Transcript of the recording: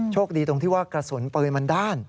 คดีตรงที่ว่ากระสุนปืนมันด้าน